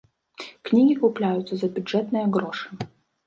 Кнігі купляюцца за бюджэтныя грошы.